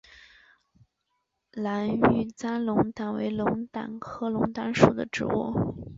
蓝玉簪龙胆为龙胆科龙胆属的植物。